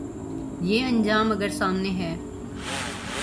یہ انجام اگر سامنے ہے۔